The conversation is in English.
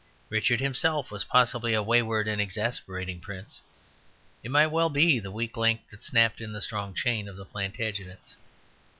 Richard himself was possibly a wayward and exasperating prince; it might well be the weak link that snapped in the strong chain of the Plantagenets.